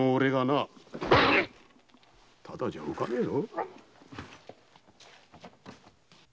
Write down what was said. ただじゃおかねえよ。